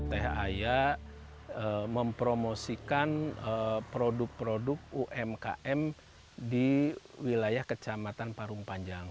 t a i a mempromosikan produk produk umkm di wilayah kecamatan parung panjang